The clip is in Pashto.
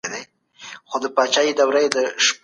د خلګو د مال او سر ساتنه وکړئ.